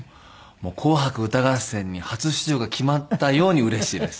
『紅白歌合戦』に初出場が決まったようにうれしいです。